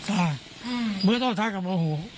สาเหตุสัตย์กับบังหูฮืม